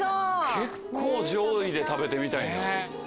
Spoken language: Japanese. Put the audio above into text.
結構上位で食べてみたいな。